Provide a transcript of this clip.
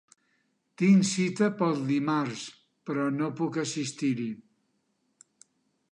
Tinc cita pel dimarts, però no puc assistir-hi.